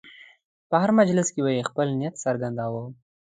په هر مجلس کې به یې خپل نیت څرګنداوه.